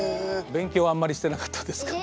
勉強あんまりしてなかったです。